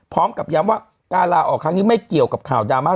พร้อมกับย้ำว่าการลาออกครั้งนี้ไม่เกี่ยวกับข่าวดราม่า